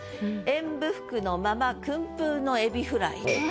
「演武服のまま薫風のエビフライ」と。